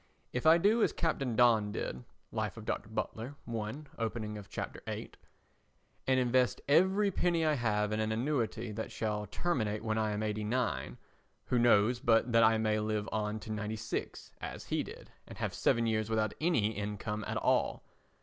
If I do as Captain Don did [Life of Dr. Butler, I, opening of Chapter VIII], and invest every penny I have in an annuity that shall terminate when I am 89, who knows but that I may live on to 96, as he did, and have seven years without any income at all?